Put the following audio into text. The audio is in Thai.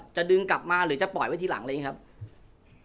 จะดึงกลับมาหรือจะปล่อยไว้ทีหลังอะไรอย่างนี้ครับ